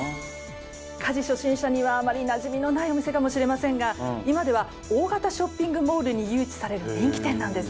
家事初心者にはあまりなじみのないお店かもしれませんが今では大型ショッピングモールに誘致される人気店なんです。